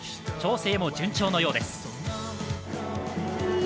調整も順調のようです。